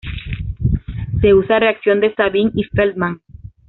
Se usa reacción de Sabin y Feldman.